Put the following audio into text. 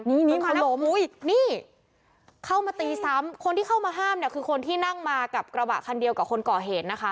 นี่ค่ะนี่เข้ามาตีซ้ำคนที่เข้ามาห้ามเนี่ยคือคนที่นั่งมากับกระบะคันเดียวกับคนก่อเหตุนะคะ